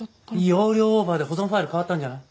容量オーバーで保存ファイル変わったんじゃない？